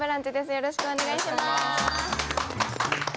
よろしくお願いします。